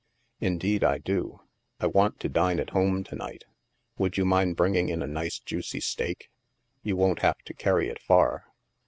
" Indeed I do. I want to dine at home to night. Would you mind bringing in a nice juicy steak? You won't have to carry it far."